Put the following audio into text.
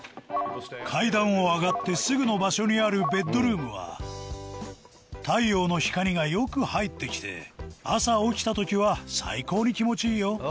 階段を上がってすぐの場所にあるベッドルームは太陽の光がよく入ってきて朝起きた時は最高に気持ちいいよ。